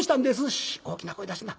「シ大きな声出すな。